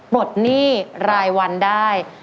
ปลดหนี้รายวันได้